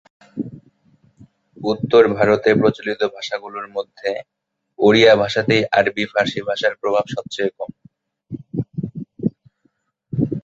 উত্তর ভারতে প্রচলিত ভাষাগুলির মধ্যে ওড়িয়া ভাষাতেই আরবি-ফার্সি ভাষার প্রভাব সবচেয়ে কম।